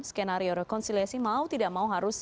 skenario rekonsiliasi mau tidak mau harus